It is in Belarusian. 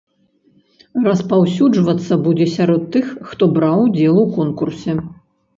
Распаўсюджвацца будзе сярод тых, хто браў удзел у конкурсе.